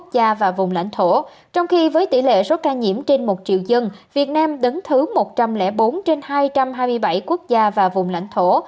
trong khi với tỷ lệ số ca nhiễm trên một triệu dân việt nam đứng thứ một trăm linh bốn trên hai trăm hai mươi bảy quốc gia và vùng lãnh thổ